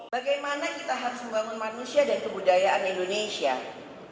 bagaimana kita harus membangun manusia dan kebudayaan indonesia